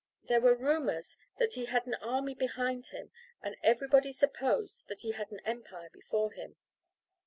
There were rumours that he had an army behind him and everybody supposed that he had an empire before him.